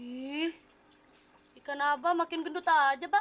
wih ikan abah makin gendut aja bah